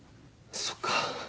そっか。